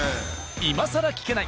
今さら聞けない！